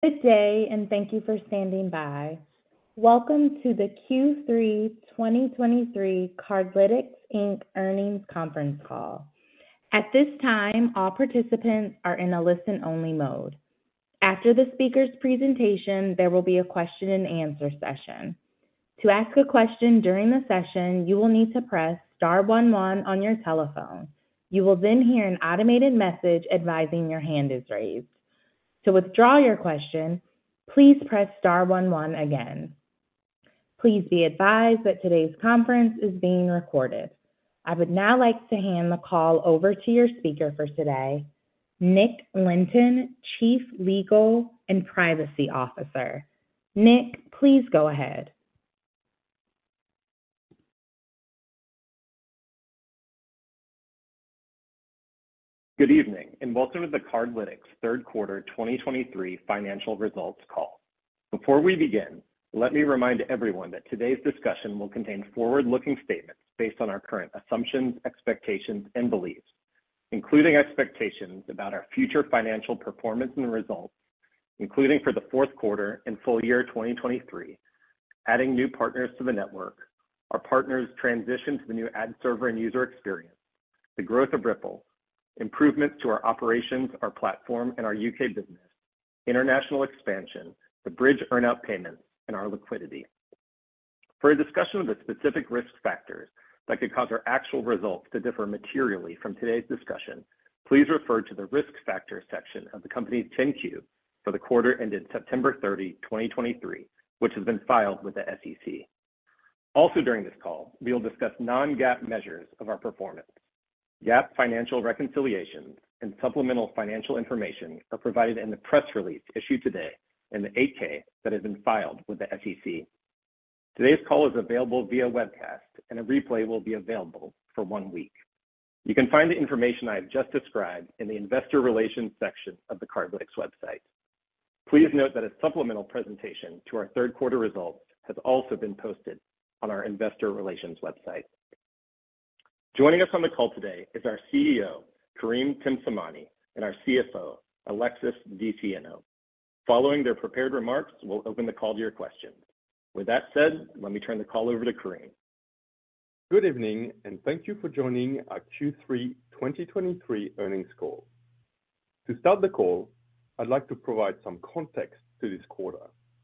Good day, and thank you for standing by. Welcome to the Q3 2023 Cardlytics Inc Earnings Conference Call. At this time, all participants are in a listen-only mode. After the speakers' presentation, there will be a question and answer session. To ask a question during the session, you will need to press star one one on your telephone. You will then hear an automated message advising your hand is raised. To withdraw your question, please press star one one again. Please be advised that today's conference is being recorded. I would now like to hand the call over to your speaker for today, Nick Lynton, Chief Legal and Privacy Officer. Nick, please go ahead. Good evening, and welcome to the Cardlytics third quarter 2023 financial results call. Before we begin, let me remind everyone that today's discussion will contain forward-looking statements based on our current assumptions, expectations, and beliefs, including expectations about our future financial performance and results, including for the fourth quarter and full year 2023, adding new partners to the network, our partners' transition to the new ad server and user experience, the growth of Ripple, improvements to our operations, our platform, and our U.K. business, international expansion, the Bridg earn-out payments, and our liquidity. For a discussion of the specific risk factors that could cause our actual results to differ materially from today's discussion, please refer to the Risk Factors section of the company's 10-Q for the quarter ended September 30, 2023, which has been filed with the SEC. Also, during this call, we will discuss non-GAAP measures of our performance. GAAP financial reconciliations and supplemental financial information are provided in the press release issued today and the 8-K that has been filed with the SEC. Today's call is available via webcast, and a replay will be available for one week. You can find the information I have just described in the Investor Relations section of the Cardlytics website. Please note that a supplemental presentation to our third quarter results has also been posted on our Investor Relations website. Joining us on the call today is our CEO, Karim Temsamani, and our CFO, Alexis DeSieno. Following their prepared remarks, we'll open the call to your questions. With that said, let me turn the call over to Karim. Good evening, and thank you for joining our Q3 2023 earnings call. To start the call, I'd like to provide some context to this quarter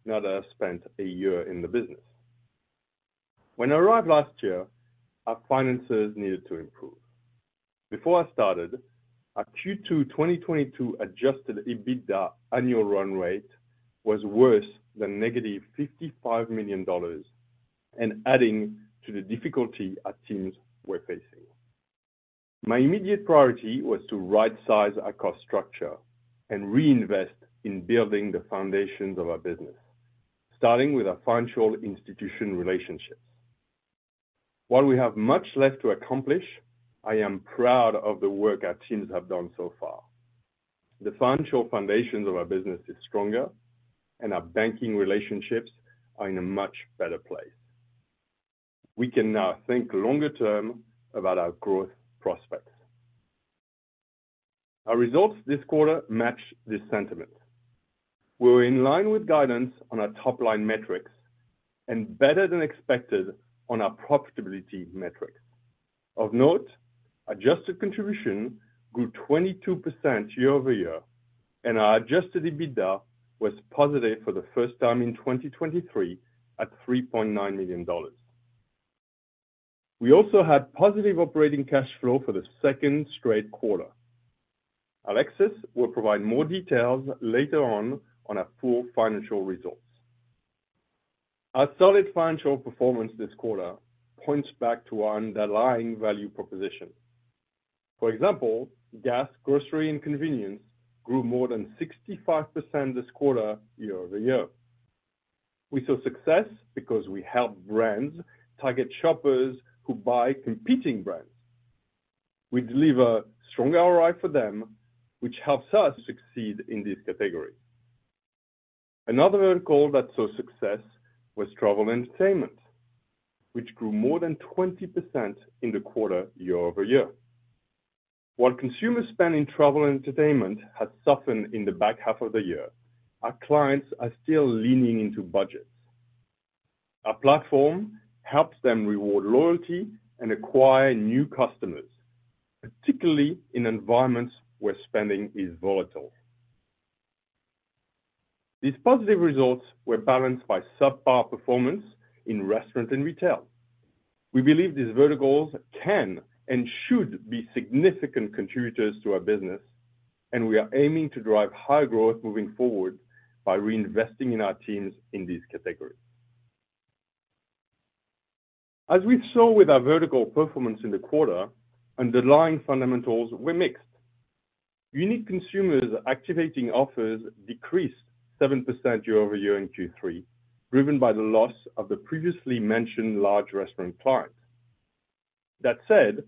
now that I've spent a year in the business. When I arrived last year, our finances needed to improve. Before I started, our Q2 2022 adjusted EBITDA annual run rate was worse than negative $55 million and adding to the difficulty our teams were facing. My immediate priority was to rightsize our cost structure and reinvest in building the foundations of our business, starting with our financial institution relationships. While we have much left to accomplish, I am proud of the work our teams have done so far. The financial foundations of our business is stronger, and our banking relationships are in a much better place. We can now think longer term about our growth prospects. Our results this quarter match this sentiment. We're in line with guidance on our top-line metrics and better than expected on our profitability metrics. Of note, adjusted contribution grew 22% year over year, and our adjusted EBITDA was positive for the first time in 2023 at $3.9 million. We also had positive operating cash flow for the second straight quarter. Alexis will provide more details later on, on our full financial results. Our solid financial performance this quarter points back to our underlying value proposition. For example, gas, grocery, and convenience grew more than 65% this quarter year over year. We saw success because we helped brands target shoppers who buy competing brands. We deliver strong ROI for them, which helps us succeed in this category. Another vertical that saw success was travel and entertainment, which grew more than 20% in the quarter year-over-year. While consumer spend in travel and entertainment has softened in the back half of the year, our clients are still leaning into budgets. Our platform helps them reward loyalty and acquire new customers, particularly in environments where spending is volatile. These positive results were balanced by subpar performance in restaurant and retail. We believe these verticals can and should be significant contributors to our business, and we are aiming to drive high growth moving forward by reinvesting in our teams in these categories. As we saw with our vertical performance in the quarter, underlying fundamentals were mixed. Unique consumers activating offers decreased 7% year-over-year in Q3, driven by the loss of the previously mentioned large restaurant clients. That said,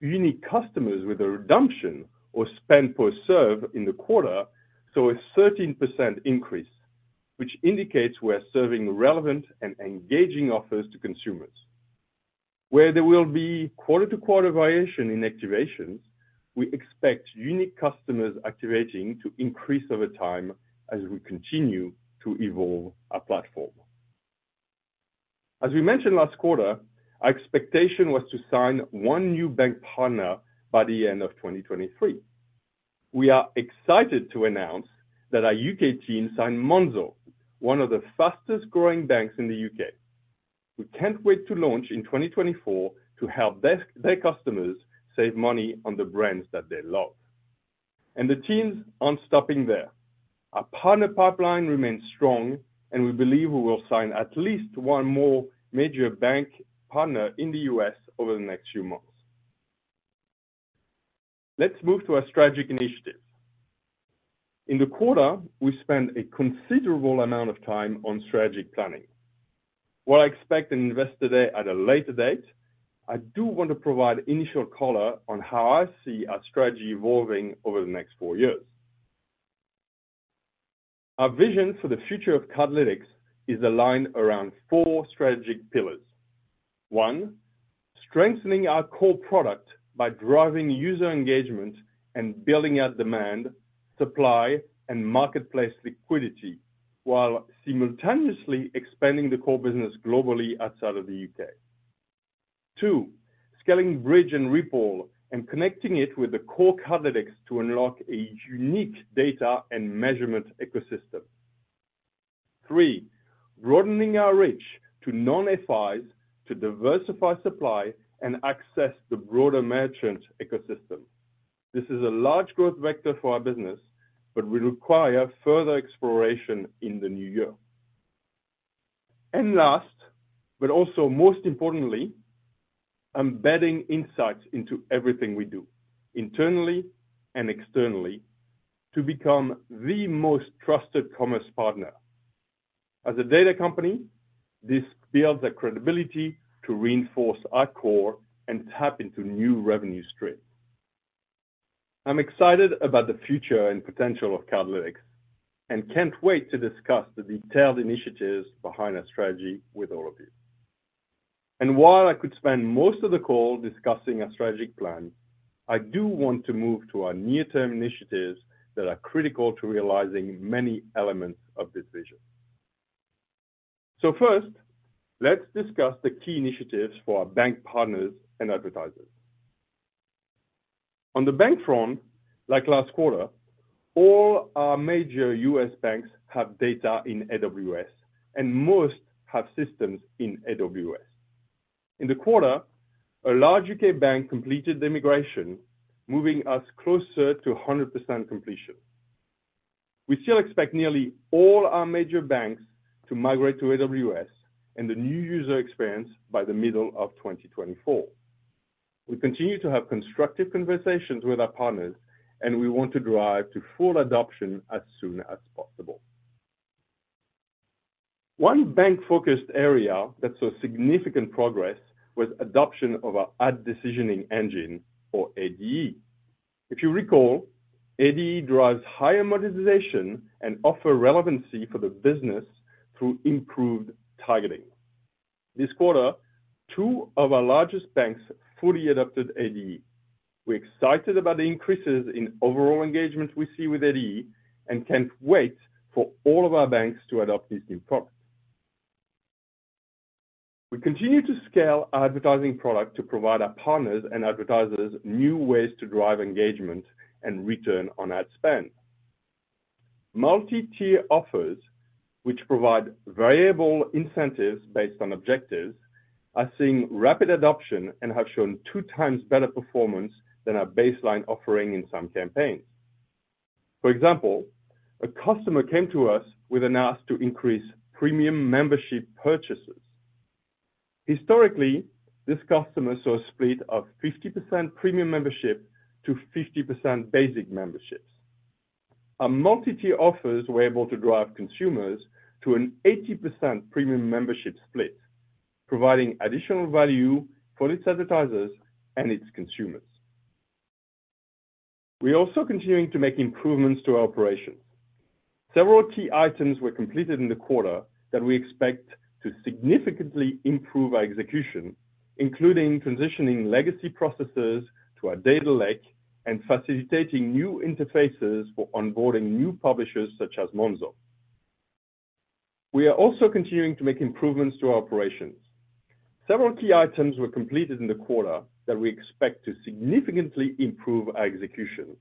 unique customers with a redemption or spend per serve in the quarter saw a 13% increase, which indicates we're serving relevant and engaging offers to consumers, where there will be quarter-to-quarter variation in activations, we expect unique customers activating to increase over time as we continue to evolve our platform. As we mentioned last quarter, our expectation was to sign one new bank partner by the end of 2023. We are excited to announce that our U.K. team signed Monzo, one of the fastest-growing banks in the U.K. We can't wait to launch in 2024 to help their customers save money on the brands that they love. And the teams aren't stopping there. Our partner pipeline remains strong, and we believe we will sign at least one more major bank partner in the U.S. over the next few months. Let's move to our strategic initiatives. In the quarter, we spent a considerable amount of time on strategic planning. While I expect an investor day at a later date, I do want to provide initial color on how I see our strategy evolving over the next four years. Our vision for the future of Cardlytics is aligned around four strategic pillars. One, strengthening our core product by driving user engagement and building out demand, supply, and marketplace liquidity, while simultaneously expanding the core business globally outside of the U.K. Two, scaling Bridg and Ripple and connecting it with the core Cardlytics to unlock a unique data and measurement ecosystem. Three, broadening our reach to non-FIs, to diversify supply and access the broader merchant ecosystem. This is a large growth vector for our business, but will require further exploration in the new year. Last, but also most importantly, embedding insights into everything we do, internally and externally, to become the most trusted commerce partner. As a data company, this builds the credibility to reinforce our core and tap into new revenue streams. I'm excited about the future and potential of Cardlytics, and can't wait to discuss the detailed initiatives behind our strategy with all of you. While I could spend most of the call discussing our strategic plan, I do want to move to our near-term initiatives that are critical to realizing many elements of this vision. First, let's discuss the key initiatives for our bank partners and advertisers. On the bank front, like last quarter, all our major U.S. banks have data in AWS, and most have systems in AWS. In the quarter, a large U.K. bank completed the migration, moving us closer to 100% completion. We still expect nearly all our major banks to migrate to AWS and the new user experience by the middle of 2024. We continue to have constructive conversations with our partners, and we want to drive to full adoption as soon as possible. One bank-focused area that saw significant progress was adoption of our Ad Decisioning Engine or ADE. If you recall, ADE drives higher monetization and offer relevancy for the business through improved targeting. This quarter, two of our largest banks fully adopted ADE. We're excited about the increases in overall engagement we see with ADE, and can't wait for all of our banks to adopt this new product. We continue to scale our advertising product to provide our partners and advertisers new ways to drive engagement and return on ad spend. Multi-tier offers, which provide variable incentives based on objectives, are seeing rapid adoption and have shown 2x better performance than our baseline offering in some campaigns. For example, a customer came to us with an ask to increase premium membership purchases. Historically, this customer saw a split of 50% premium membership to 50% basic memberships. Our multi-tier offers were able to drive consumers to an 80% premium membership split, providing additional value for its advertisers and its consumers. We are also continuing to make improvements to our operations. Several key items were completed in the quarter that we expect to significantly improve our execution, including transitioning legacy processes to our data lake and facilitating new interfaces for onboarding new publishers, such as Monzo. We are also continuing to make improvements to our operations. Several key items were completed in the quarter that we expect to significantly improve our execution,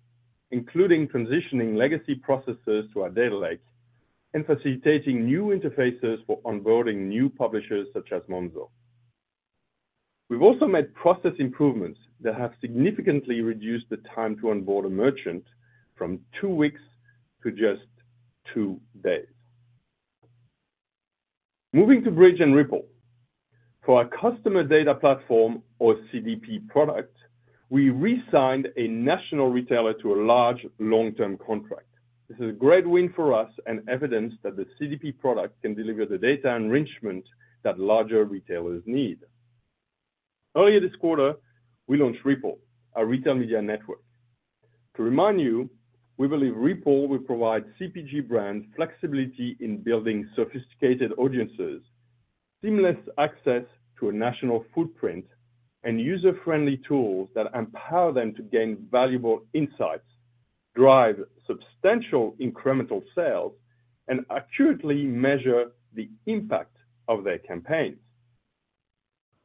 including transitioning legacy processes to our data lake and facilitating new interfaces for onboarding new publishers such as Monzo. We've also made process improvements that have significantly reduced the time to onboard a merchant from two weeks to just two days. Moving to Bridg and Ripple. For our customer data platform or CDP product, we re-signed a national retailer to a large long-term contract. This is a great win for us and evidence that the CDP product can deliver the data enrichment that larger retailers need. Earlier this quarter, we launched Ripple, our retail media network. To remind you, we believe Ripple will provide CPG brands flexibility in building sophisticated audiences, seamless access to a national footprint, and user-friendly tools that empower them to gain valuable insights, drive substantial incremental sales, and accurately measure the impact of their campaigns.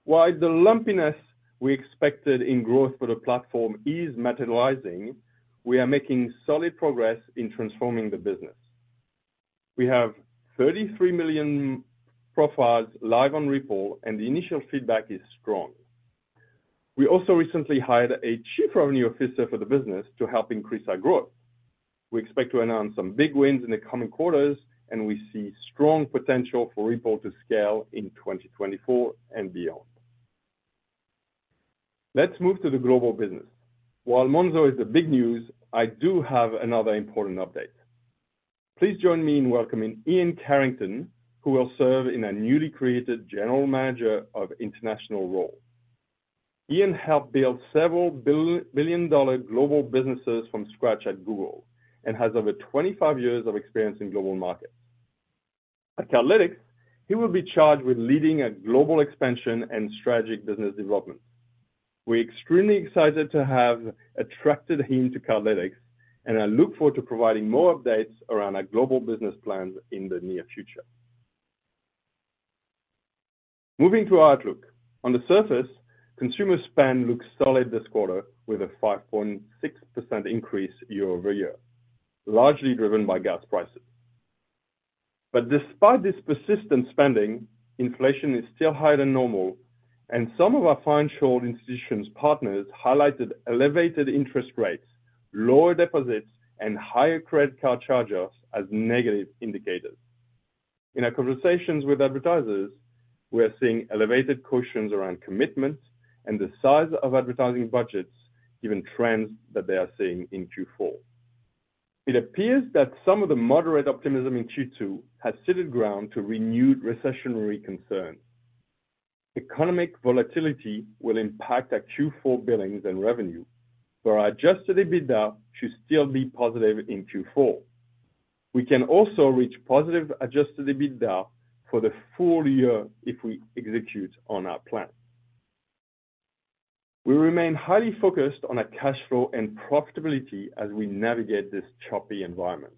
While the lumpiness we expected in growth for the platform is materializing, we are making solid progress in transforming the business. We have 33 million profiles live on Ripple, and the initial feedback is strong. We also recently hired a chief revenue officer for the business to help increase our growth. We expect to announce some big wins in the coming quarters, and we see strong potential for Ripple to scale in 2024 and beyond. Let's move to the global business. While Monzo is the big news, I do have another important update. Please join me in welcoming Ian Carrington, who will serve in a newly created General Manager of International role. Ian helped build several billion-dollar global businesses from scratch at Google and has over 25 years of experience in global markets. At Cardlytics, he will be charged with leading a global expansion and strategic business development. We're extremely excited to have attracted him to Cardlytics, and I look forward to providing more updates around our global business plan in the near future. Moving to our outlook. On the surface, consumer spend looks solid this quarter with a 5.6% increase year-over-year, largely driven by gas prices. But despite this persistent spending, inflation is still higher than normal, and some of our financial institutions partners highlighted elevated interest rates, lower deposits, and higher credit card charges as negative indicators. In our conversations with advertisers, we are seeing elevated cautions around commitments and the size of advertising budgets, given trends that they are seeing in Q4. It appears that some of the moderate optimism in Q2 has ceded ground to renewed recessionary concern. Economic volatility will impact our Q4 billings and revenue, but our adjusted EBITDA should still be positive in Q4. We can also reach positive adjusted EBITDA for the full year if we execute on our plan. We remain highly focused on our cash flow and profitability as we navigate this choppy environment.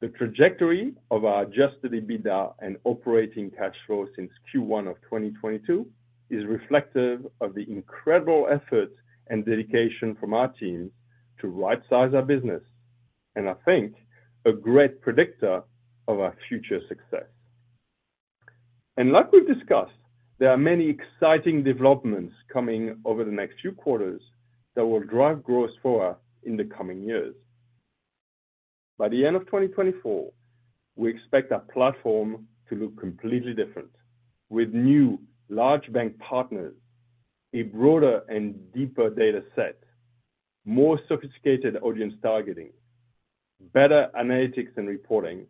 The trajectory of our adjusted EBITDA and operating cash flow since Q1 of 2022 is reflective of the incredible effort and dedication from our teams to rightsize our business, and I think a great predictor of our future success. Like we've discussed, there are many exciting developments coming over the next few quarters that will drive growth forward in the coming years. By the end of 2024, we expect our platform to look completely different, with new large bank partners, a broader and deeper data set, more sophisticated audience targeting, better analytics and reporting,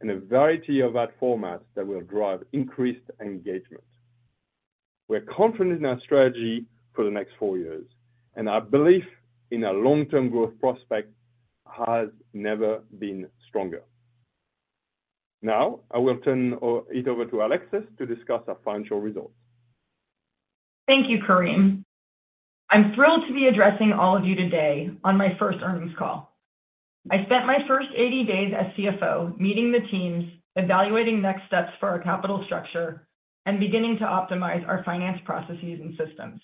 and a variety of ad formats that will drive increased engagement. We're confident in our strategy for the next four years, and our belief in our long-term growth prospect has never been stronger. Now, I will turn it over to Alexis to discuss our financial results. Thank you, Karim. I'm thrilled to be addressing all of you today on my first earnings call. I spent my first 80 days as CFO meeting the teams, evaluating next steps for our capital structure, and beginning to optimize our finance processes and systems.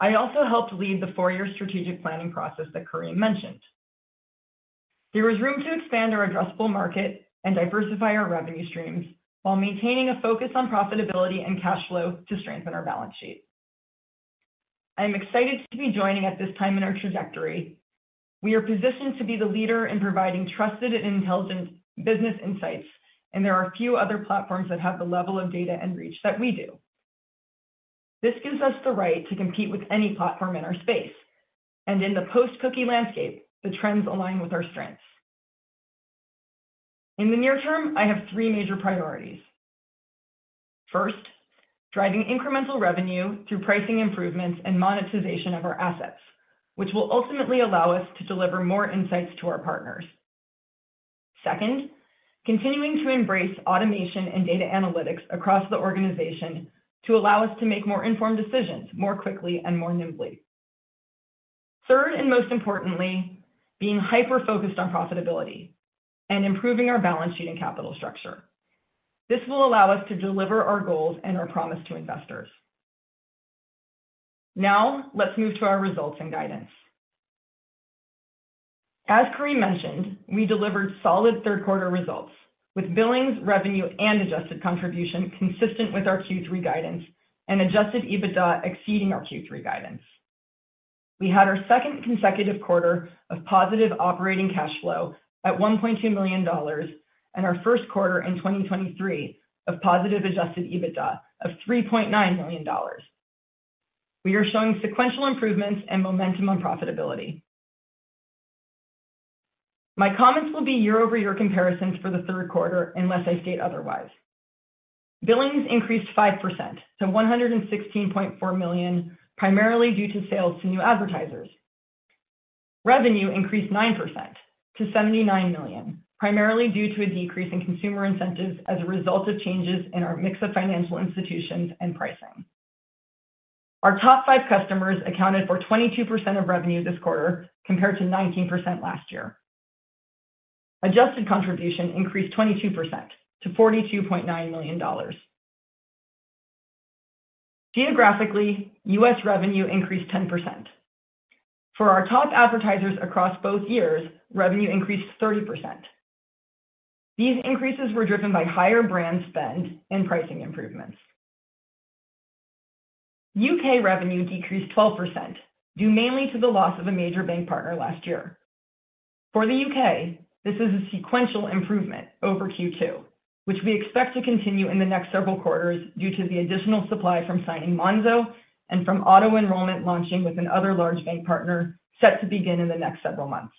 I also helped lead the four-year strategic planning process that Karim mentioned. There is room to expand our addressable market and diversify our revenue streams while maintaining a focus on profitability and cash flow to strengthen our balance sheet. I am excited to be joining at this time in our trajectory. We are positioned to be the leader in providing trusted and intelligent business insights, and there are a few other platforms that have the level of data and reach that we do. This gives us the right to compete with any platform in our space, and in the post-cookie landscape, the trends align with our strengths. In the near term, I have three major priorities. First, driving incremental revenue through pricing improvements and monetization of our assets, which will ultimately allow us to deliver more insights to our partners. Second, continuing to embrace automation and data analytics across the organization to allow us to make more informed decisions, more quickly and more nimbly. Third, and most importantly, being hyper-focused on profitability and improving our balance sheet and capital structure. This will allow us to deliver our goals and our promise to investors. Now, let's move to our results and guidance. As Karim mentioned, we delivered solid third quarter results with billings, revenue, and adjusted contribution consistent with our Q3 guidance and adjusted EBITDA exceeding our Q3 guidance. We had our second consecutive quarter of positive operating cash flow at $1.2 million, and our first quarter in 2023 of positive adjusted EBITDA of $3.9 million. We are showing sequential improvements and momentum on profitability. My comments will be year-over-year comparisons for the third quarter, unless I state otherwise. Billings increased 5% to $116.4 million, primarily due to sales to new advertisers. Revenue increased 9% to $79 million, primarily due to a decrease in consumer incentives as a result of changes in our mix of financial institutions and pricing. Our top five customers accounted for 22% of revenue this quarter, compared to 19% last year. Adjusted Contribution increased 22% to $42.9 million. Geographically, U.S. revenue increased 10%. For our top advertisers across both years, revenue increased 30%. These increases were driven by higher brand spend and pricing improvements. U.K. revenue decreased 12%, due mainly to the loss of a major bank partner last year. For the U.K., this is a sequential improvement over Q2, which we expect to continue in the next several quarters due to the additional supply from signing Monzo and from auto-enrollment launching with another large bank partner set to begin in the next several months.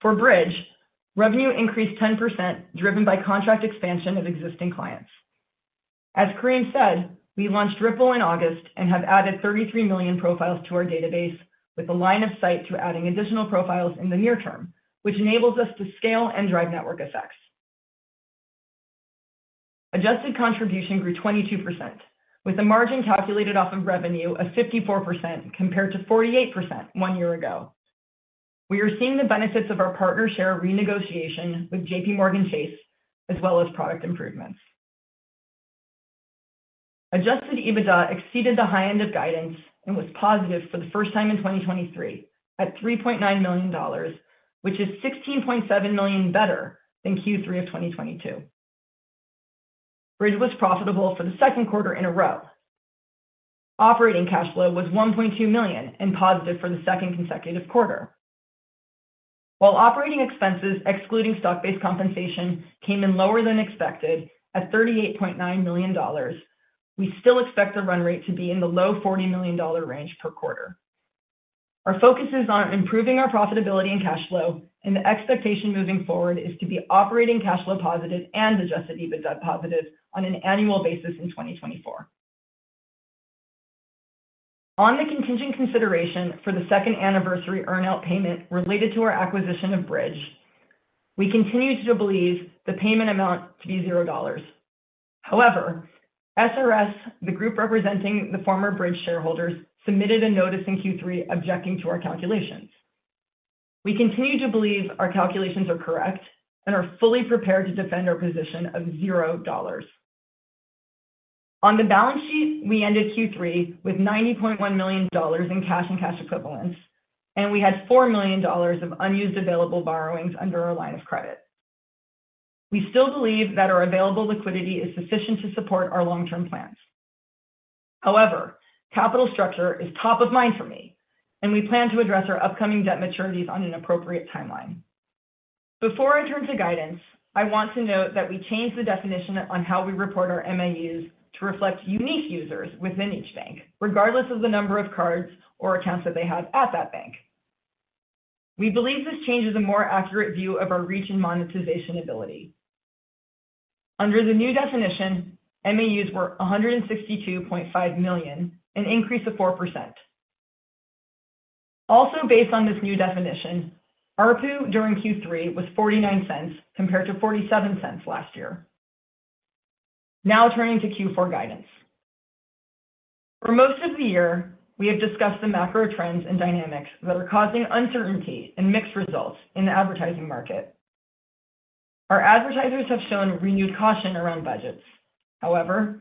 For Bridg, revenue increased 10%, driven by contract expansion of existing clients. As Karim said, we launched Ripple in August and have added 33 million profiles to our database with a line of sight to adding additional profiles in the near term, which enables us to scale and drive network effects. Adjusted contribution grew 22%, with a margin calculated off of revenue of 54%, compared to 48% one year ago. We are seeing the benefits of our Partner Share renegotiation with JPMorgan Chase, as well as product improvements. Adjusted EBITDA exceeded the high end of guidance and was positive for the first time in 2023 at $3.9 million, which is $16.7 million better than Q3 of 2022. Bridg was profitable for the second quarter in a row. Operating cash flow was $1.2 million and positive for the second consecutive quarter. While operating expenses, excluding stock-based compensation, came in lower than expected at $38.9 million, we still expect the run rate to be in the low $40 million range per quarter. Our focus is on improving our profitability and cash flow, and the expectation moving forward is to be operating cash flow positive and adjusted EBITDA positive on an annual basis in 2024. On the contingent consideration for the second anniversary earn-out payment related to our acquisition of Bridg, we continue to believe the payment amount to be $0. However, SRS, the group representing the former Bridg shareholders, submitted a notice in Q3 objecting to our calculations. We continue to believe our calculations are correct and are fully prepared to defend our position of $0. On the balance sheet, we ended Q3 with $90.1 million in cash and cash equivalents, and we had $4 million of unused available borrowings under our line of credit. We still believe that our available liquidity is sufficient to support our long-term plans. However, capital structure is top of mind for me, and we plan to address our upcoming debt maturities on an appropriate timeline. Before I turn to guidance, I want to note that we changed the definition on how we report our MAUs to reflect unique users within each bank, regardless of the number of cards or accounts that they have at that bank. We believe this change is a more accurate view of our reach and monetization ability. Under the new definition, MAUs were 162.5 million, an increase of 4%. Also, based on this new definition, ARPU during Q3 was $0.49, compared to $0.47 last year. Now turning to Q4 guidance. For most of the year, we have discussed the macro trends and dynamics that are causing uncertainty and mixed results in the advertising market. Our advertisers have shown renewed caution around budgets. However,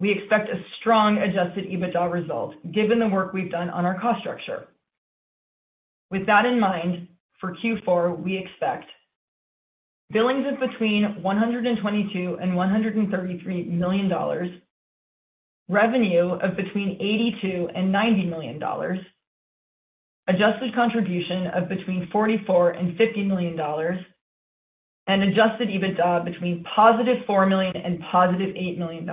we expect a strong adjusted EBITDA result, given the work we've done on our cost structure. With that in mind, for Q4, we expect billings of between $122 million and $133 million, revenue of between $82 million and $90 million, Adjusted Contribution of between $44 million and $50 million, and adjusted EBITDA between positive $4 million and positive $8 million.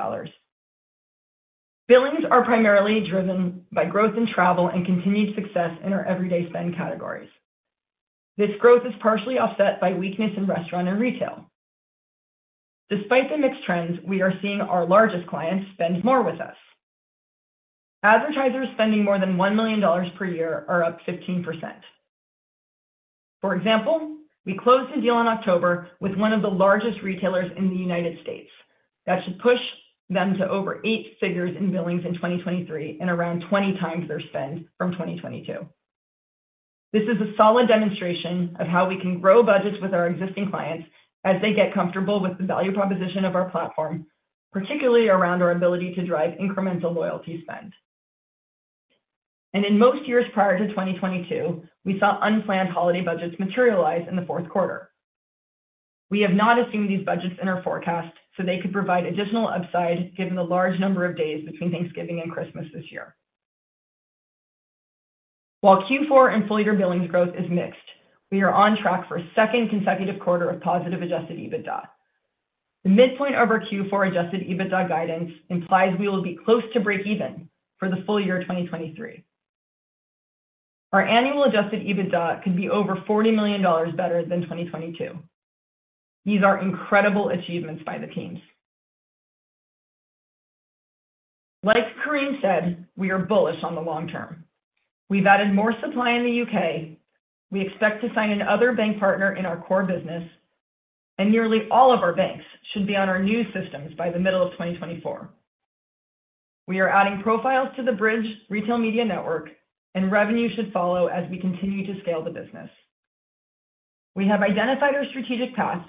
Billings are primarily driven by growth in travel and continued success in our everyday spend categories. This growth is partially offset by weakness in restaurant and retail. Despite the mixed trends, we are seeing our largest clients spend more with us. Advertisers spending more than $1 million per year are up 15%. For example, we closed a deal in October with one of the largest retailers in the United States. That should push them to over eight figures in billings in 2023 and around 20x their spend from 2022. This is a solid demonstration of how we can grow budgets with our existing clients as they get comfortable with the value proposition of our platform, particularly around our ability to drive incremental loyalty spend. In most years prior to 2022, we saw unplanned holiday budgets materialize in the fourth quarter. We have not assumed these budgets in our forecast, so they could provide additional upside given the large number of days between Thanksgiving and Christmas this year. While Q4 and full year Billings growth is mixed, we are on track for a second consecutive quarter of positive adjusted EBITDA. The midpoint of our Q4 adjusted EBITDA guidance implies we will be close to breakeven for the full year 2023. Our annual adjusted EBITDA could be over $40 million better than 2022. These are incredible achievements by the teams. Like Karim said, we are bullish on the long term. We've added more supply in the U.K. We expect to sign another bank partner in our core business, and nearly all of our banks should be on our new systems by the middle of 2024. We are adding profiles to the Bridg Retail Media Network, and revenue should follow as we continue to scale the business. We have identified our strategic path,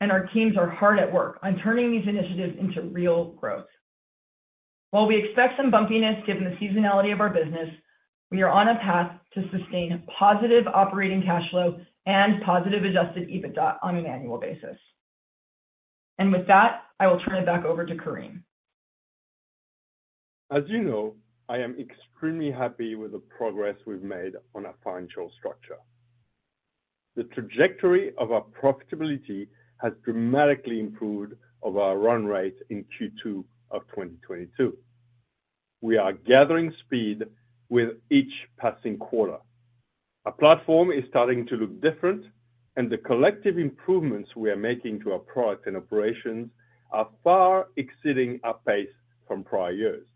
and our teams are hard at work on turning these initiatives into real growth. While we expect some bumpiness given the seasonality of our business, we are on a path to sustain positive operating cash flow and positive adjusted EBITDA on an annual basis. With that, I will turn it back over to Karim. As you know, I am extremely happy with the progress we've made on our financial structure. The trajectory of our profitability has dramatically improved over our run rate in Q2 of 2022. We are gathering speed with each passing quarter. Our platform is starting to look different, and the collective improvements we are making to our product and operations are far exceeding our pace from prior years.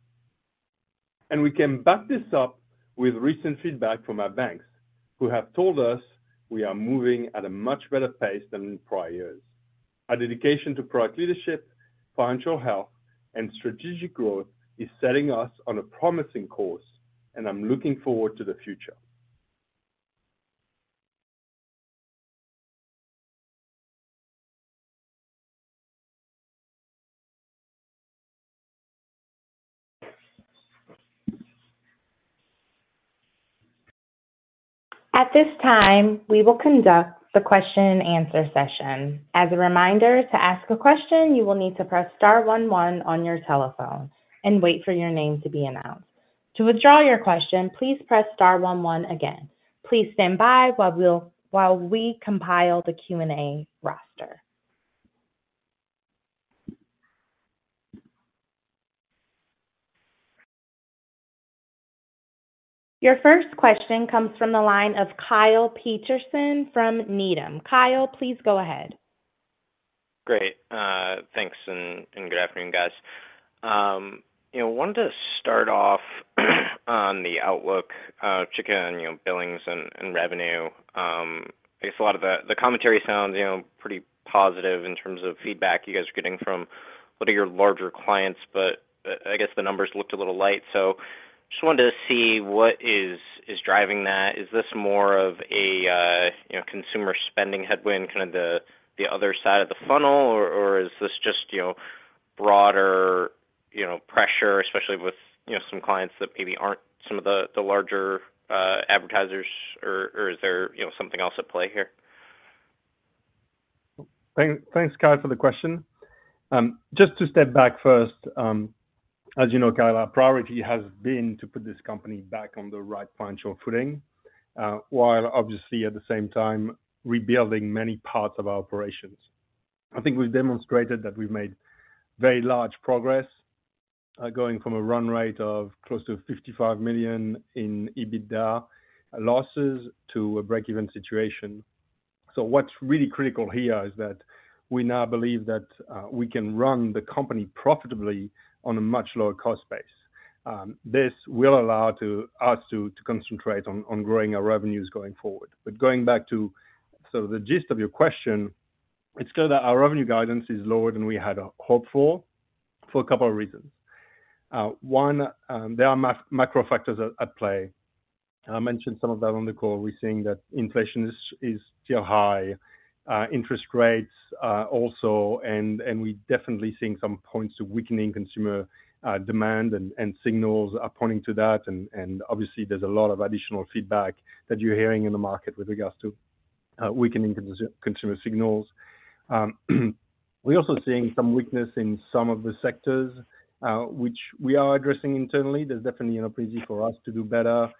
And we can back this up with recent feedback from our banks, who have told us we are moving at a much better pace than in prior years. Our dedication to product leadership, financial health, and strategic growth is setting us on a promising course, and I'm looking forward to the future. At this time, we will conduct the question and answer session. As a reminder, to ask a question, you will need to press star one one on your telephone and wait for your name to be announced. To withdraw your question, please press star one one again. Please stand by while we compile the Q&A roster. Your first question comes from the line of Kyle Peterson from Needham. Kyle, please go ahead. Great. Thanks, and good afternoon, guys. You know, wanted to start off on the outlook, to get on, you know, billings and revenue. I guess a lot of the commentary sounds, you know, pretty positive in terms of feedback you guys are getting from what are your larger clients, but I guess the numbers looked a little light. So just wanted to see what is driving that. Is this more of a you know consumer spending headwind, kind of the other side of the funnel? Or is this just you know broader you know pressure, especially with you know some clients that maybe aren't some of the larger advertisers, or is there you know something else at play here? Thanks, Kyle, for the question. Just to step back first, as you know, Kyle, our priority has been to put this company back on the right financial footing, while obviously at the same time, rebuilding many parts of our operations. I think we've demonstrated that we've made very large progress, going from a run rate of close to $55 million in EBITDA losses to a breakeven situation. So what's really critical here is that we now believe that we can run the company profitably on a much lower cost base. This will allow us to concentrate on growing our revenues going forward. But going back to sort of the gist of your question, it's clear that our revenue guidance is lower than we had hoped for, for a couple of reasons. One, there are macro factors at play. I mentioned some of that on the call. We're seeing that inflation is still high, interest rates also, and we're definitely seeing some points of weakening consumer demand, and signals are pointing to that. And obviously, there's a lot of additional feedback that you're hearing in the market with regards to weakening consumer signals. We're also seeing some weakness in some of the sectors, which we are addressing internally. There's definitely an opportunity for us to do better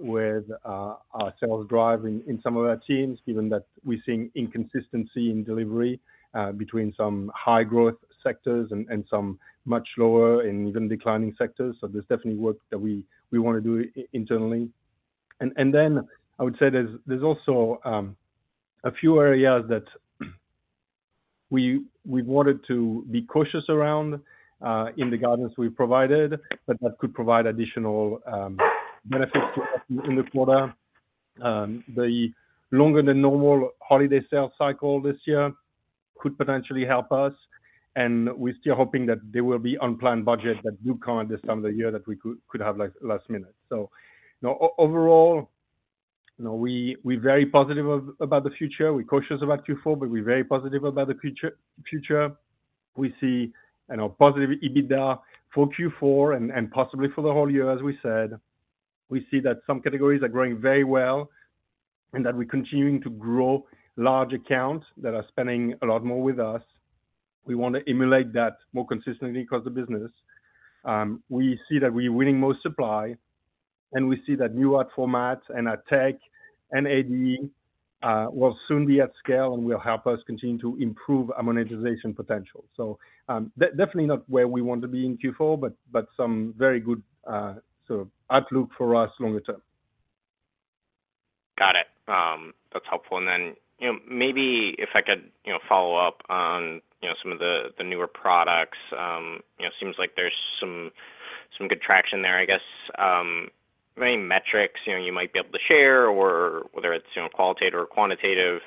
with our sales drive in some of our teams, given that we're seeing inconsistency in delivery between some high growth sectors and some much lower and even declining sectors. So there's definitely work that we want to do internally. And then I would say there's also a few areas that we wanted to be cautious around in the guidance we provided, but that could provide additional benefits to us in the quarter. The longer than normal holiday sales cycle this year could potentially help us, and we're still hoping that there will be unplanned budget that do come at this time of the year that we could have last minute. So, you know, overall, you know, we're very positive about the future. We're cautious about Q4, but we're very positive about the future. We see, you know, positive EBITDA for Q4 and possibly for the whole year, as we said. We see that some categories are growing very well, and that we're continuing to grow large accounts that are spending a lot more with us. We want to emulate that more consistently across the business. We see that we're winning more supply, and we see that new ad formats and our tech and ADE will soon be at scale and will help us continue to improve our monetization potential. So, definitely not where we want to be in Q4, but some very good sort of outlook for us longer term. Got it. That's helpful. And then, you know, maybe if I could, you know, follow up on, you know, some of the, the newer products. You know, seems like there's some, some good traction there. I guess, are there any metrics, you know, you might be able to share, or whether it's, you know, qualitative or quantitative,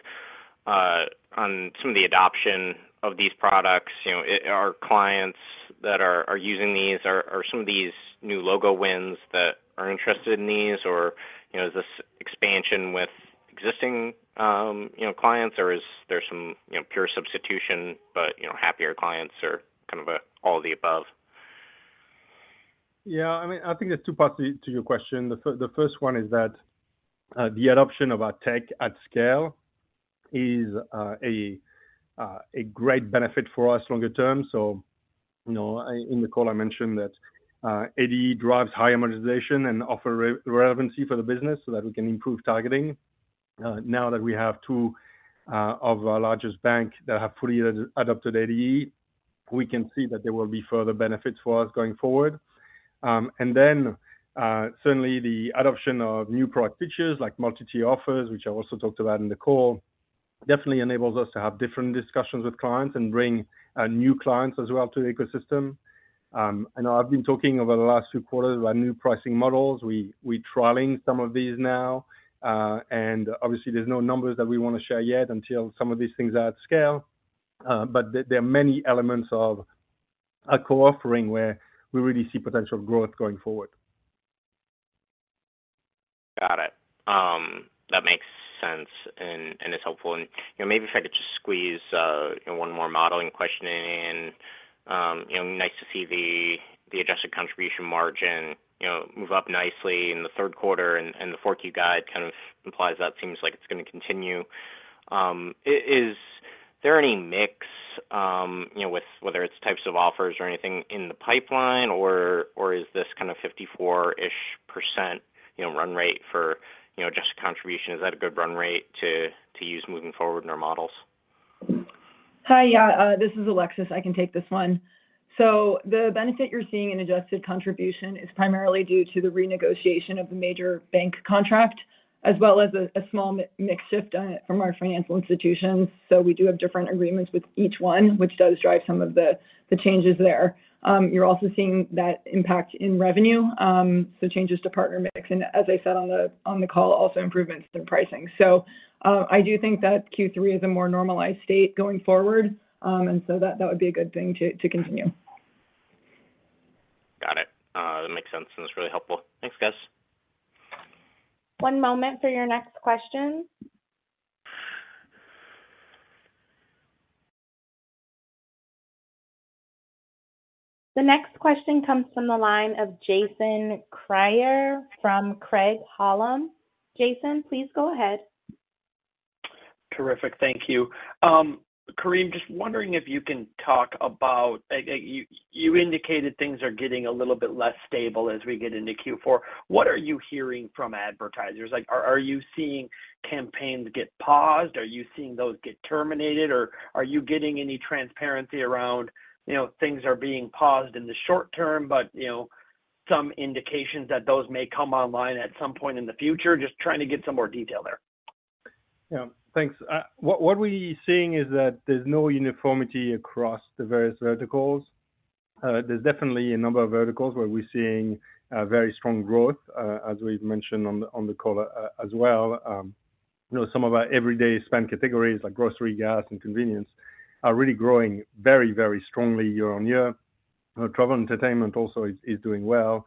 on some of the adoption of these products? You know, are clients that are using these, are some of these new logo wins that are interested in these, or, you know, is this expansion with existing, you know, clients, or is there some, you know, pure substitution, but, you know, happier clients or kind of all the above? Yeah, I mean, I think there's two parts to your question. The first one is that the adoption of our tech at scale is a great benefit for us longer term. So, you know, in the call, I mentioned that ADE drives high monetization and offer relevancy for the business so that we can improve targeting. Now that we have two of our largest bank that have fully adopted ADE, we can see that there will be further benefits for us going forward. And then certainly the adoption of new product features, like multi-tier offers, which I also talked about in the call, definitely enables us to have different discussions with clients and bring new clients as well to the ecosystem. I know I've been talking over the last few quarters about new pricing models. We trialing some of these now, and obviously, there's no numbers that we wanna share yet until some of these things are at scale. But there are many elements of our co-offering where we really see potential growth going forward. Got it. That makes sense, and it's helpful. And, you know, maybe if I could just squeeze, you know, one more modeling question in. You know, nice to see the Adjusted Contribution margin, you know, move up nicely in the third quarter, and the 4Q guide kind of implies that seems like it's gonna continue. Is there any mix, you know, with whether it's types of offers or anything in the pipeline, or is this kind of 54%-ish, you know, run rate for just contribution? Is that a good run rate to use moving forward in our models? Hi. Yeah, this is Alexis. I can take this one. So the benefit you're seeing in Adjusted Contribution is primarily due to the renegotiation of a major bank contract, as well as a small mix shift on it from our financial institutions. So we do have different agreements with each one, which does drive some of the changes there. You're also seeing that impact in revenue, so changes to partner mix, and as I said on the call, also improvements in pricing. So I do think that Q3 is a more normalized state going forward, and so that would be a good thing to continue. Got it. That makes sense, and it's really helpful. Thanks, guys. One moment for your next question. The next question comes from the line of Jason Kreyer from Craig-Hallum. Jason, please go ahead. Terrific. Thank you. Karim, just wondering if you can talk about, you indicated things are getting a little bit less stable as we get into Q4. What are you hearing from advertisers? Like, are you seeing campaigns get paused? Are you seeing those get terminated, or are you getting any transparency around, you know, things are being paused in the short term, but, you know, some indications that those may come online at some point in the future? Just trying to get some more detail there. Yeah. Thanks. What, what we're seeing is that there's no uniformity across the various verticals. There's definitely a number of verticals where we're seeing very strong growth, as we've mentioned on the, on the call, as well. You know, some of our everyday spend categories, like grocery, gas, and convenience, are really growing very, very strongly year-on-year. Travel and entertainment also is doing well.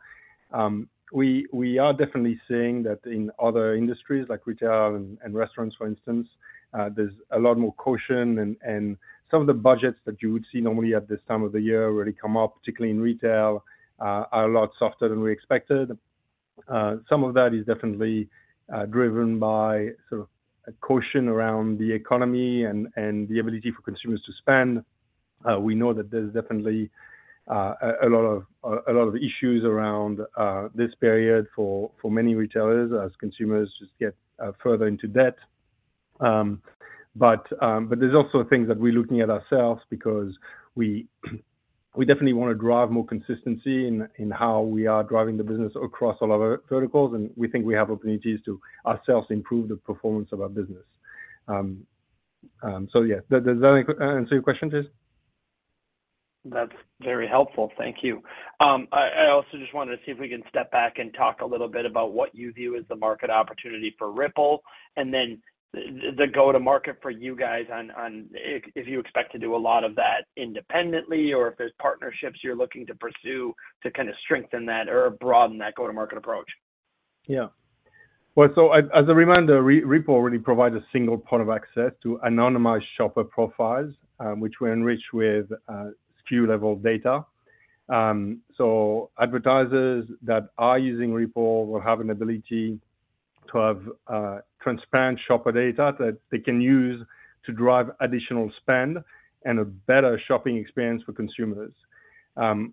We are definitely seeing that in other industries, like retail and restaurants, for instance, there's a lot more caution and some of the budgets that you would see normally at this time of the year really come up, particularly in retail, are a lot softer than we expected. Some of that is definitely driven by sort of a caution around the economy and the ability for consumers to spend. We know that there's definitely a lot of issues around this period for many retailers as consumers just get further into debt. But there's also things that we're looking at ourselves because we definitely wanna drive more consistency in how we are driving the business across all our verticals, and we think we have opportunities to ourselves to improve the performance of our business. So yeah. Does that answer your question, Jason? That's very helpful. Thank you. I also just wanted to see if we can step back and talk a little bit about what you view as the market opportunity for Ripple, and then the go-to-market for you guys on... If you expect to do a lot of that independently, or if there's partnerships you're looking to pursue to kinda strengthen that or broaden that go-to-market approach. Yeah. Well, so as a reminder, Ripple really provides a single point of access to anonymized shopper profiles, which we enrich with SKU level data. So advertisers that are using Ripple will have an ability to have transparent shopper data that they can use to drive additional spend and a better shopping experience for consumers.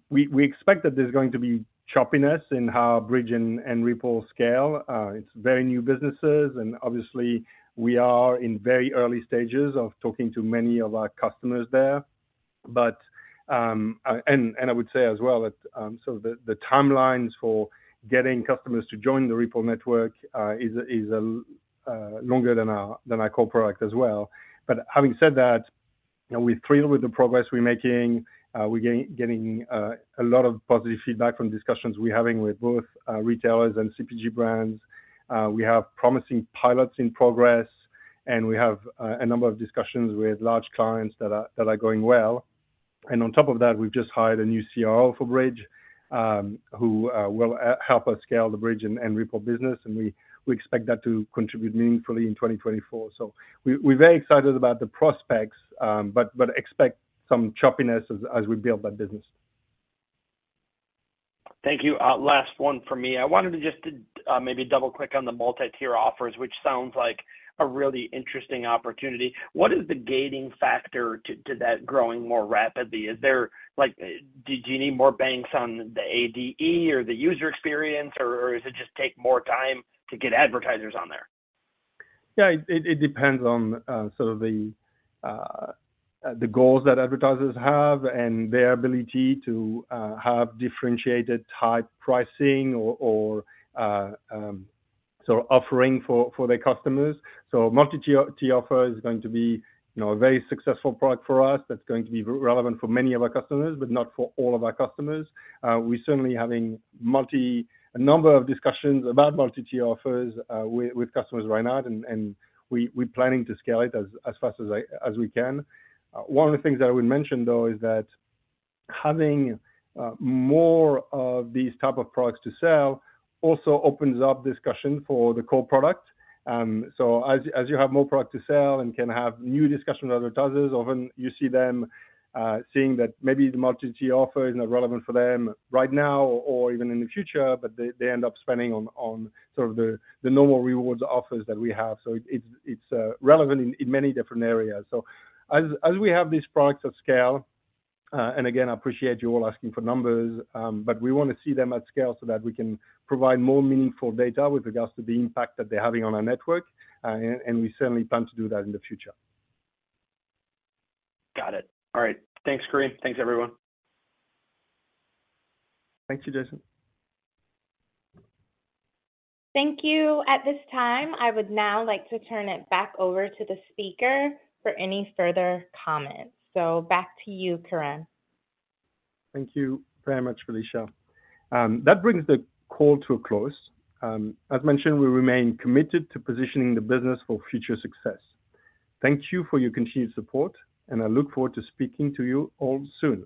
We expect that there's going to be choppiness in how Bridg and Ripple scale. It's very new businesses, and obviously we are in very early stages of talking to many of our customers there. But I would say as well that the timelines for getting customers to join the Ripple network is longer than our core product as well. But having said that, you know, we're thrilled with the progress we're making. We're getting a lot of positive feedback from discussions we're having with both retailers and CPG brands. We have promising pilots in progress, and we have a number of discussions with large clients that are going well. And on top of that, we've just hired a new CRO for Bridg, who will help us scale the Bridg and Ripple business, and we expect that to contribute meaningfully in 2024. So we're very excited about the prospects, but expect some choppiness as we build that business. Thank you. Last one for me. I wanted to just to maybe double-click on the multi-tier offers, which sounds like a really interesting opportunity. What is the gating factor to that growing more rapidly? Is there, like, did you need more banks on the ADE or the user experience, or does it just take more time to get advertisers on there? Yeah, it depends on sort of the goals that advertisers have and their ability to have differentiated type pricing or sort of offering for their customers. So multi-tier offer is going to be, you know, a very successful product for us. That's going to be relevant for many of our customers, but not for all of our customers. We're certainly having a number of discussions about multi-tier offers with customers right now, and we're planning to scale it as fast as we can. One of the things that I would mention, though, is that having more of these type of products to sell also opens up discussion for the core product. So as you have more product to sell and can have new discussions with advertisers, often you see them seeing that maybe the multi-tier offer is not relevant for them right now or even in the future, but they end up spending on sort of the normal rewards offers that we have. So it's relevant in many different areas. So as we have these products at scale, and again, I appreciate you all asking for numbers, but we wanna see them at scale so that we can provide more meaningful data with regards to the impact that they're having on our network. And we certainly plan to do that in the future. Got it. All right. Thanks, Karim. Thanks, everyone. Thank you, Jason. Thank you. At this time, I would now like to turn it back over to the speaker for any further comments. So back to you, Karim. Thank you very much, Felicia. That brings the call to a close. As mentioned, we remain committed to positioning the business for future success. Thank you for your continued support, and I look forward to speaking to you all soon.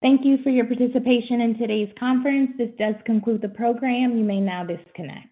Thank you for your participation in today's conference. This does conclude the program. You may now disconnect.